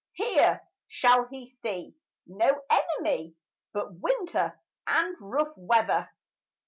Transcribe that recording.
Here shall he see No enemy But winter and rough weather.